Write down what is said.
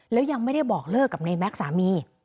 แล้วยังไม่ได้บอกเลิกกับในแม็กซ์สามี